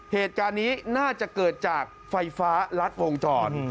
เหตุการณ์นี้น่าจะเกิดจากไฟฟ้ารัดวงจร